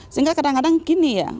sehingga kadang kadang gini ya